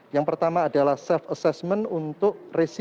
yang pertama adalah self assessment untuk resiko terpapar dari covid sembilan belas